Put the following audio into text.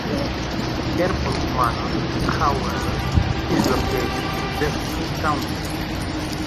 Pierrepont Manor, however, is located in Jefferson County.